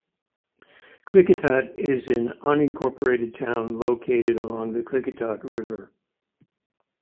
Klickitat is an unincorporated town located along the Klickitat River.